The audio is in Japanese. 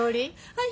はい。